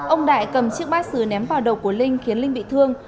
ông đại cầm chiếc bát sứ ném vào đầu của linh khiến linh bị thương